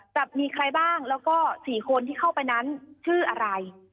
จะมีใครบ้างแล้วก็๔คนที่เข้าไปนั้นชื่ออะไร